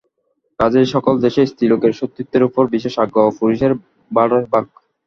কাজেই সকল দেশে স্ত্রীলোকের সতীত্বের উপর বিশেষ আগ্রহ, পুরুষের বাড়ার ভাগ।